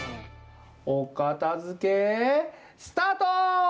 おかたづけスタート！